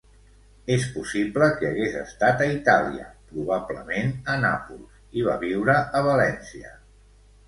És possible que hagués estat a Itàlia, probablement a Nàpols, i va viure a València.